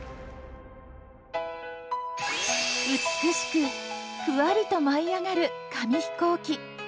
美しくふわりと舞いあがる紙飛行機。